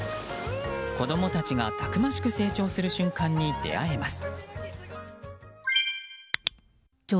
子供たちがたくましく成長する瞬間に出会えます。